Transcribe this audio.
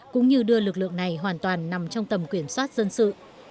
cũng như đưa lực lượng này hoàn toàn nằm trong tầm kiểm soát dân sự